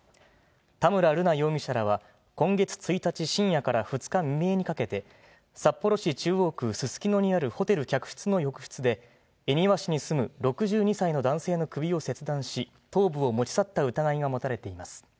田村瑠奈容疑者らは、今月１日深夜から２日未明にかけて、札幌市中央区すすきのにあるホテル客室の浴室で、恵庭市に住む６２歳の男性の首を切断し、頭部を持ち去った疑いが持たれています。